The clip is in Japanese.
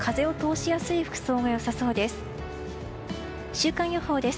週間予報です。